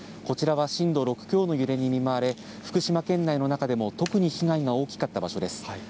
こちらは震度６強のゆれにみまわれ福島県内の中でも特に被害が大きかった場所です。